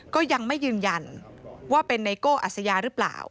ก็ยังไม่ยืนยันว่าเป็นไนโก้อัสยาหรือเปล่า